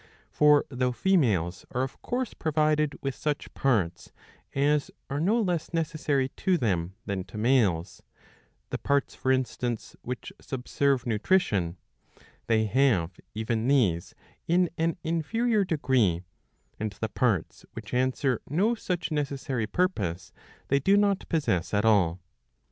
* For though females are of course provided with such parts as are no less necessary to them than to males, the parts for instance which subserve nutrition, they have even these in an inferior degree,^ and the parts which answer no such necessary purpose they do not possess at all.